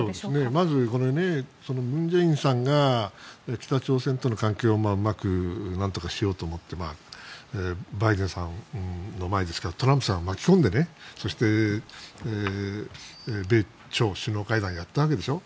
まず文在寅さんが北朝鮮との関係をうまくなんとかしようと思ってバイデンさんの前ですからトランプさんを巻き込んでそして米朝首脳会談をやったわけでしょ。